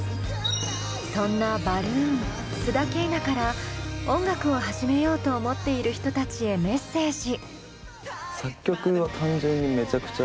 そんなバルーン須田景凪から音楽を始めようと思っている人たちへメッセージ。